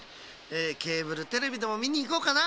ケーブルテレビでもみにいこうかな。